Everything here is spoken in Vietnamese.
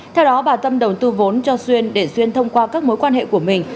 theo đó bà tâm đầu tư vốn cho xuyên để xuyên thông qua các mối quan hệ của mình